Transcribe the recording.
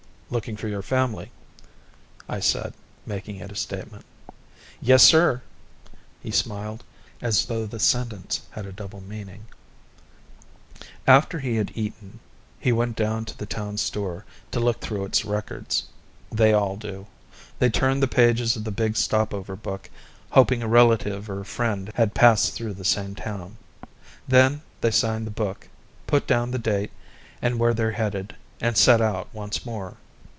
"Looking for your family," I said, making it a statement. "Yessir." He smiled, as though the sentence had double meaning. After he had eaten, he went down to the town store to look through its records. They all do. They turn the pages of the big stopover book, hoping a relative or friend had passed through the same town. Then they sign the book, put down the date and where they're headed, and set out once more.